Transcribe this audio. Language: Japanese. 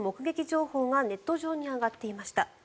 情報がネット上に上がっていました。